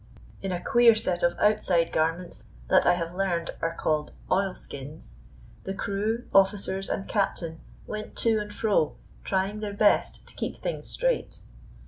In a queer set of outside garments that I have learned are called "oil skins," the crew, officers, and captain went to and fro, trying their best to keep things straight.